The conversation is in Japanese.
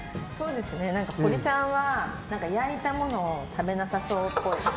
ホリさんは焼いたものを食べなさそうっぽい。